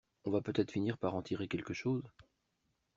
On va peut-être finir par en tirer quelque chose!